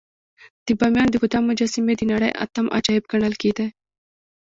د بامیانو د بودا مجسمې د نړۍ اتم عجایب ګڼل کېدې